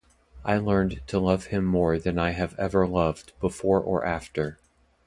I learned to love him more than I have ever loved before or after.